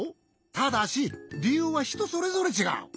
ただしりゆうはひとそれぞれちがう。